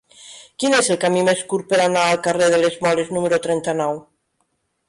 Quin és el camí més curt per anar al carrer de les Moles número trenta-nou?